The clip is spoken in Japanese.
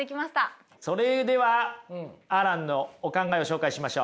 それではアランのお考えを紹介しましょう。